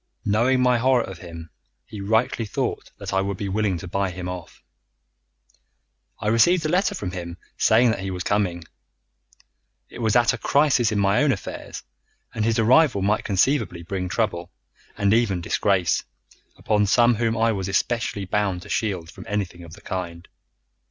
Knowing my horror of him, he rightly thought that I would be willing to buy him off. I received a letter from him saying that he was coming. It was at a crisis in my own affairs, and his arrival might conceivably bring trouble, and even disgrace, upon some whom I was especially bound to shield from anything of the kind.